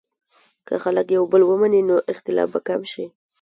که خلک یو بل ومني، نو اختلاف به کم شي.